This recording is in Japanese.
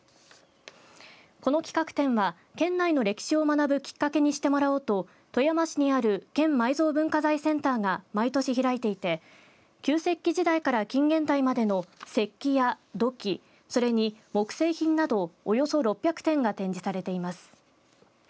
この企画展は県内の歴史を学ぶきっかけにしてもらおうと富山市にある県埋蔵文化財センターが毎年開いていて旧石器時代から近現代までの石器や土器、それに木製品などおよそ６００点が展示されています。